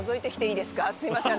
すみません